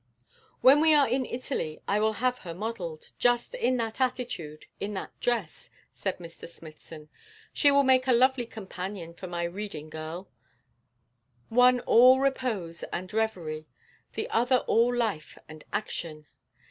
'When we are in Italy I will have her modelled, just in that attitude, and that dress,' said Mr. Smithson. 'She will make a lovely companion for my Reading Girl: one all repose and reverie, the other all life and action.